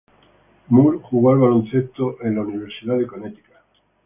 Moore jugó al baloncesto de la Universidad de Connecticut.